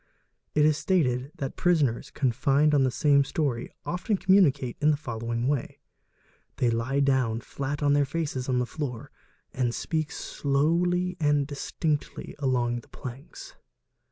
| It is stated that prisoners confined on the same story often communicate — in the following way: they lhe down flat on their faces on the floor and — speak slowly and distinctly along the planks.